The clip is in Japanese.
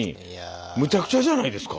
むちゃくちゃじゃないですか。